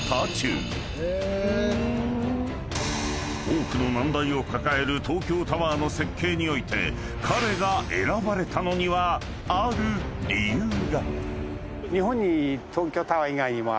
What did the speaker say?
［多くの難題を抱える東京タワーの設計において彼が選ばれたのにはある理由が］